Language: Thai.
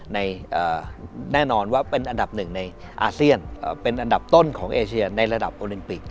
แน่นอนว่าเป็นอันดับหนึ่งในอาเซียนเป็นอันดับต้นของเอเชียในระดับโอลิมปิก